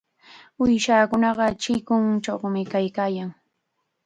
Uushakunaqa chikunchawmi kaykaayan.